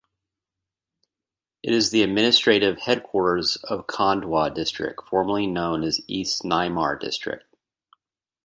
It is the administrative headquarters of Khandwa District, formerly known as East Nimar District.